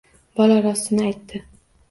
Bola rostini aytdi…